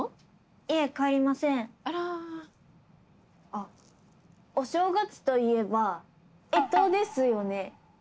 あお正月といえば干支ですよね。